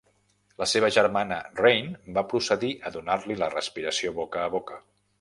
La seva germana Rain va procedir a donar-li la respiració boca a boca.